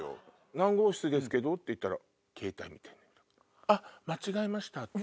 「何号室ですけど」って言ったらケータイ見て「あっ間違えました」。